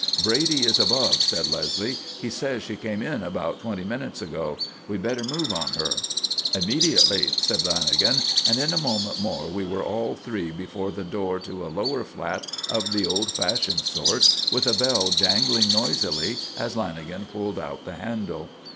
"Brady is above," said Leslie. "He says she came in about twenty minutes ago. We had better move on her." "Immediately," said Lanagan, and in a moment more we were all three before the door to a lower flat of the old fashioned sort, with a bell jangling noisily as Lanagan pulled out the handle.